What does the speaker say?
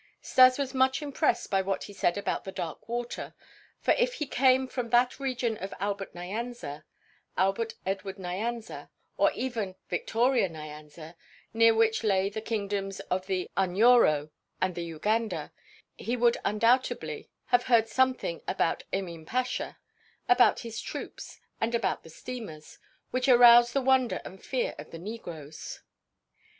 Stas was much impressed by what he said about the "dark water," for if he came from the region of Albert Nyanza, Albert Edward Nyanza, or even Victoria Nyanza, near which lay the kingdoms of the Unyoro and the Uganda, he would undoubtedly have heard something about Emin Pasha, about his troops, and about the steamers, which aroused the wonder and fear of the negroes.